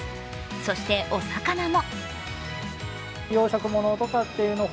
そしてお魚も。